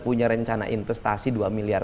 punya rencana investasi dua miliar